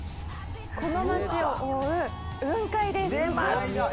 この町を覆う雲海です。